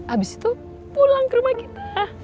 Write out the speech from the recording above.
abis itu pulang ke rumah kita